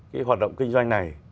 cái hoạt động kinh doanh này